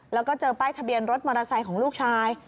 แล้วก็เจอป้ายทะเบียนรถมอเตอร์ไซค์ของลูกชาย